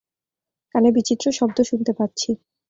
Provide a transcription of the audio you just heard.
কানে বিচিত্র শব্দ শুনতে পাচ্ছি।